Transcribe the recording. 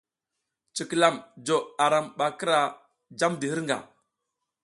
Cikilam jo aram ɓa kira jamdi hirnga.